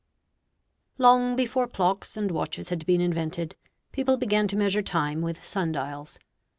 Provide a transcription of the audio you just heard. HOW TO MAKE A SUN DIAL[A] Long before clocks and watches had been invented, people began to measure time with sun dials.